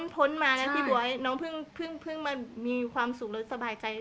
พ้นมานะพี่บ๊วยน้องเพิ่งมามีความสุขแล้วสบายใจ